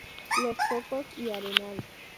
Los Cocos y Arenal.